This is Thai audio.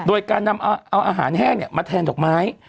โดยการนำเอาอาหารแห้งมาแทนดอกไม้